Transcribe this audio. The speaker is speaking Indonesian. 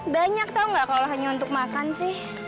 banyak tahu nggak kalau hanya untuk makan sih